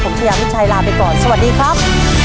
ผมชายามิชัยลาไปก่อนสวัสดีครับ